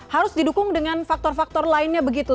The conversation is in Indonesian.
harus di dukung dengan faktor faktor lainnya begitu